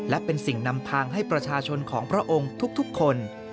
และเป็นสิ่งนำพังให้ประชาชนของพระองค์ทุกคน